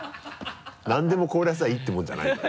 何でも凍らせればいいってもんじゃないのよ。